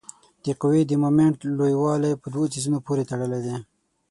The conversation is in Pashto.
د قوې د مومنټ لویوالی په دوو څیزونو پورې تړلی دی.